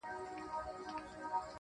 پر نوزادو ارمانونو، د سکروټو باران وينې~